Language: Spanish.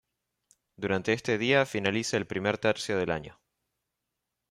Durante este día finaliza el primer tercio del año.